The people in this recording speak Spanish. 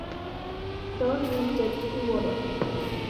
Son insectívoros.